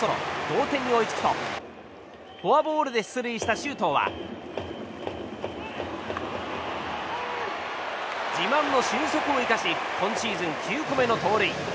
同点に追いつくとフォアボールで出塁した周東は自慢の俊足を生かし今シーズン９個目の盗塁。